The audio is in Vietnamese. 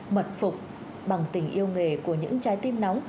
mật phục bằng tình yêu nghề của những trái tim nóng